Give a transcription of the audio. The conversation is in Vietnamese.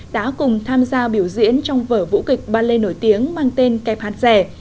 đã cùng tham gia biểu diễn trong vở vũ kịch ballet nổi tiếng mang tên kẹp hạt rẻ